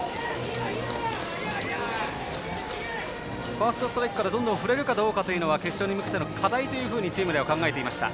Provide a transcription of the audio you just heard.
ファーストストライクからどんどん振れるかというのが決勝に向けての課題とチームは考えていました。